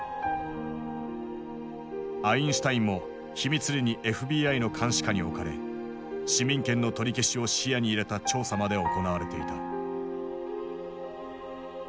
アインシュタインも秘密裏にＦＢＩの監視下に置かれ市民権の取り消しを視野に入れた調査まで行われていた。